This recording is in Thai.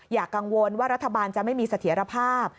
อย่ากังวลว่ารัฐบาลจะไม่มีเสถียรภาพ